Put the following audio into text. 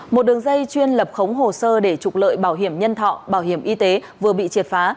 một đường dây chuyên lập khống hồ sơ để trục lợi bảo hiểm nhân thọ bảo hiểm y tế vừa bị triệt phá